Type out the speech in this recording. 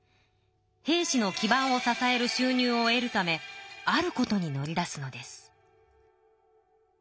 平氏の基ばんを支えるしゅう入を得るためあることに乗り出すのです。